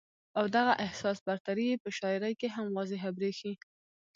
او دغه احساس برتري ئې پۀ شاعرۍ کښې هم واضحه برېښي